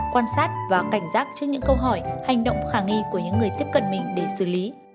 quan sát và cảnh giác trước những câu hỏi hành động khả nghi của những người tiếp cận mình để xử lý